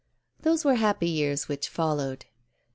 Those were happy years which followed.